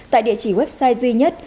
tại địa chỉ website duy nhất